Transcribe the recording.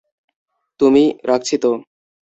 তুমি-- - রাখছি তো!